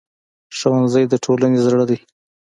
ښوونځی د ټولنې زړه دی